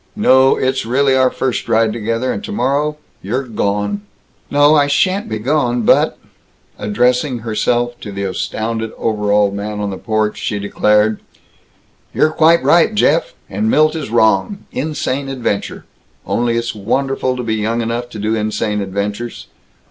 No, it's really our first ride together, and tomorrow you're gone." "No, I sha'n't be gone, but " Addressing herself to the astounded overalled man on the porch, she declared, "You're quite right, Jeff. And Milt is wrong. Insane adventure. Only, it's wonderful to be young enough to do insane adventures.